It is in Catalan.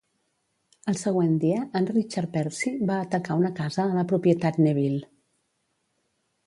El següent dia en Richard Percy va atacar una casa a la propietat Neville.